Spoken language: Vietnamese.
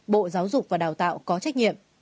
bộ giáo dục và đào tạo có trách nhiệm